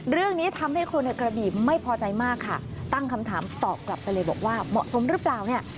เรื่องนี้ทำให้คนในกระบี่ไม่พอใจมากค่ะตั้งคำถามตอบกลับไปเลยบอกว่าเหมาะสมหรือเปล่าเนี่ย